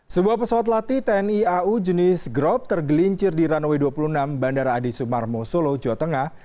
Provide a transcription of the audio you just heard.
sebuah pesawat latih tni au jenis grop tergelincir di runway dua puluh enam bandara adi sumarmo solo jawa tengah